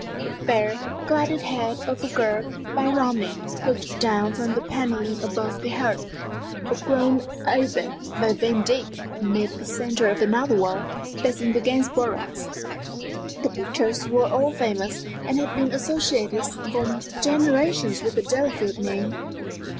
The fair, clouded head of a girl, by Romney, looked down from the panelling above the hearth. A gowned abbé, by Vandyck, made the centre of another wall, facing the Gainsboroughs. The pictures were all famous, and had been associated for generations with the Delafield name.